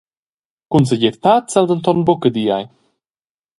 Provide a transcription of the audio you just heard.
Cun segirtad sa el denton buca dir ei.